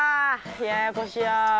ややこしや。